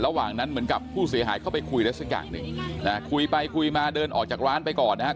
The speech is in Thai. ระหว่างนั้นเหมือนกับผู้เสียหายเข้าไปคุยอะไรสักอย่างหนึ่งคุยไปคุยมาเดินออกจากร้านไปก่อนนะครับ